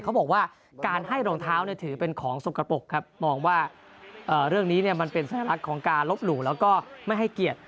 เขาบอกว่าการให้รองเท้าถือเป็นของสกปรกครับมองว่าเรื่องนี้มันเป็นสัญลักษณ์ของการลบหลู่แล้วก็ไม่ให้เกียรติ